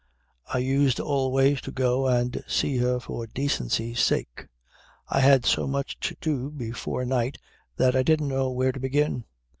I used always to go and see her for decency's sake. I had so much to do before night that I didn't know where to begin.